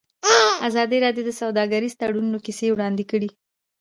ازادي راډیو د سوداګریز تړونونه کیسې وړاندې کړي.